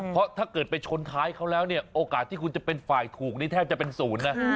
เพราะถ้าเกิดไปชนท้ายเขาแล้วเนี่ยโอกาสที่คุณจะเป็นฝ่ายถูกนี่แทบจะเป็นศูนย์นะ